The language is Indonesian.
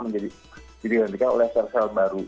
jadi digantikan oleh sel sel baru